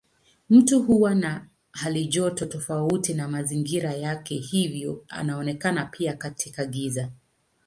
Mtu huwa na halijoto tofauti na mazingira yake hivyo anaonekana pia katika giza.